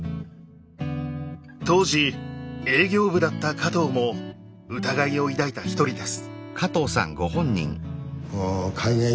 当時営業部だった加藤も疑いを抱いた一人です。